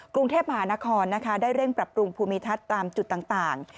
กรุงเทพมหานครได้เร่งปรับปรุงภูมิทัศน์ตามจุดต่าง